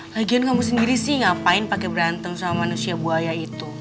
lagian kamu sendiri sih ngapain pakai berantem sama manusia buaya itu